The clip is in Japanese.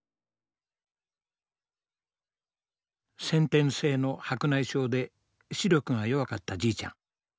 先天性の白内障で視力が弱かったじいちゃん。